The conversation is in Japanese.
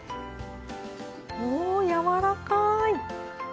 おやわらかい！